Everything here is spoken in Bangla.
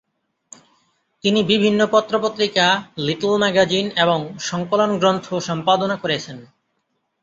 তিনি বিভিন্ন পত্র-পত্রিকা, লিটল ম্যাগাজিন এবং সংকলন গ্রন্থ সম্পাদনা করেছেন।